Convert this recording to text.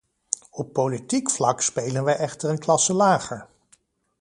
Op politiek vlak spelen wij echter een klasse lager.